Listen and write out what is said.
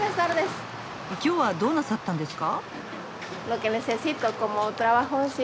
今日はどうなさったんですか？